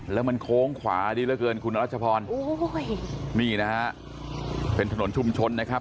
แล้วมันโค้งขวาดีเหลือเกินคุณรัชพรโอ้โหนี่นะฮะเป็นถนนชุมชนนะครับ